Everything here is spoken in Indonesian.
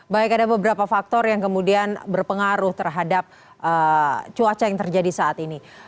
baik ada beberapa faktor yang kemudian berpengaruh terhadap cuaca yang terjadi saat ini